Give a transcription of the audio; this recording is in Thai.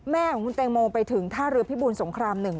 แม่ของคุณแต่งโมไปถึงท่ารื้อพิภูมิสงครามหนึ่ง